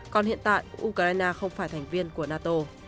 còn hiện tại ukraine không phải thành viên của nato